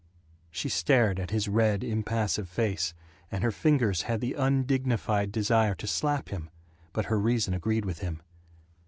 She stared at his red impassive face, and her fingers had the undignified desire to slap him, but her reason agreed with him.